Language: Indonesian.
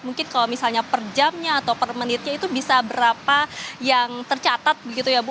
mungkin kalau misalnya per jamnya atau per menitnya itu bisa berapa yang tercatat begitu ya bu